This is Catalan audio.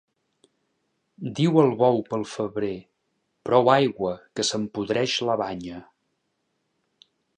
Diu el bou pel febrer: —Prou aigua, que se'm podreix la banya.